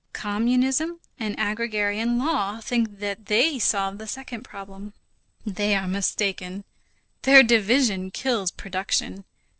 Communism and agrarian law think that they solve the second problem. They are mistaken. Their division kills production.